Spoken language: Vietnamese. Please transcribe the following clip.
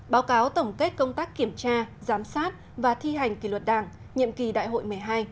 báo cáo tổng kết công tác kiểm tra giám sát và thi hành kỷ luật đảng nhiệm kỳ đại hội một mươi hai